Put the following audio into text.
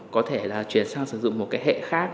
có thể là chuyển sang sử dụng một cái hệ khác